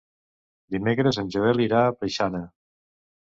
Dimecres en Joel irà a Preixana.